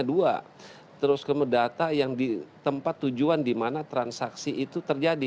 dua terus ke data yang di tempat tujuan dimana transaksi itu terjadi